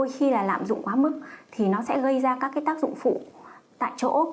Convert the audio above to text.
khi làm dụng quá mức thì nó sẽ gây ra các tác dụng phụ tại chỗ